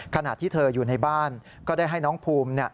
ขณะที่เธออยู่ในบ้านก็ได้ให้น้องภูมิ